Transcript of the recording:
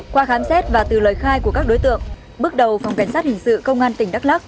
qua khám xét và từ lời khai của các đối tượng bước đầu phòng cảnh sát hình sự công an tỉnh đắk lắc